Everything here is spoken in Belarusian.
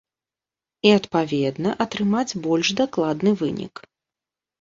І, адпаведна, атрымаць больш дакладны вынік.